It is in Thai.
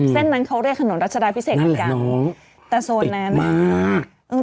เส้นนั้นเขาเรียกถนนรัชดาพิเศกกันกัน